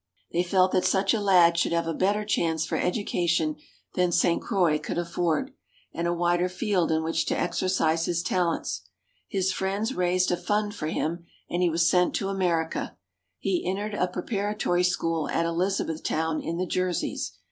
They felt that such a lad should have a better chance for education than St. Croix could afford, and a wider field in which to exercise his talents. His friends raised a fund for him, and he was sent to America. He entered a preparatory school at Elizabethtown in the Jerseys.